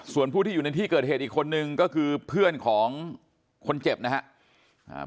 ส่วนผู้ที่อยู่ในที่เกิดเหตุอีกคนนึงก็คือเพื่อนของคนเจ็บนะครับ